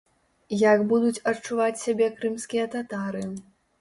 Як будуць адчуваць сябе крымскія татары?